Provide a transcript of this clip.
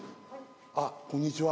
あっこんにちは。